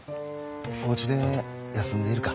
おうちで休んでいるか？